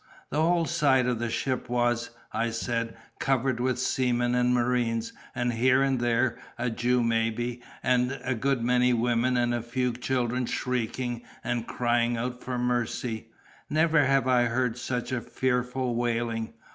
The whole side of the ship was, I said, covered with seamen and marines, and here and there a Jew maybe, and a good many women and a few children shrieking and crying out for mercy. Never have I heard such a fearful wailing.